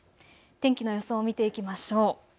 天気の予想を見ていきましょう。